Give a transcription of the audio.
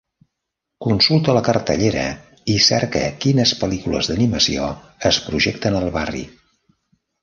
Consulta la cartellera i cerca quines pel·lícules d'animació es projecten al barri